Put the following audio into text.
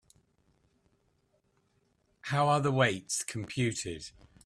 How are the weights computed?